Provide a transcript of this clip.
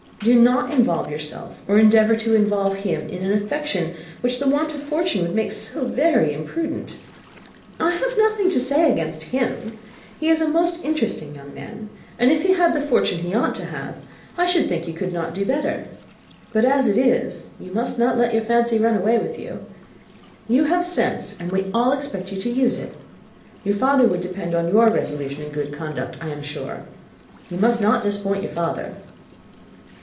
Do not involve yourself, or endeavour to involve him, in an affection which the want of fortune would make so very imprudent. I have nothing to say against him: he is a most interesting young man; and if he had the fortune he ought to have, I should think you could not do better. But as it is you must not let your fancy run away with you. You have sense, and we all expect you to use it. Your father would depend on your resolution and good conduct, I am sure. You must not disappoint your father."